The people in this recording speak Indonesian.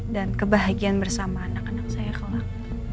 dan kebahagiaan bersama anak anak saya kelak